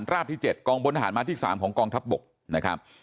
เสริมสร้างกองพลทหารราบที่๗กองพลทหารมาที่๓ของกองทัพบกนะครับ